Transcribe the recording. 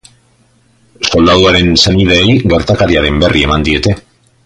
Soldaduaren senideei gertakariaren berri eman diete.